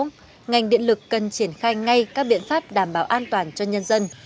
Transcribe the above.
ngành điện lực cần triển khai ngay các biện pháp đảm bảo an toàn cho nhân dân